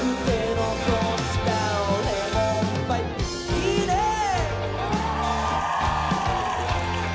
いいねえ！